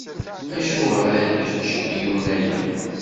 Acuɣer ara yečč yiwen aya?